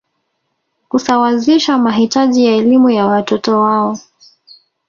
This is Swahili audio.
Kusawazisha mahitaji ya elimu ya watoto wao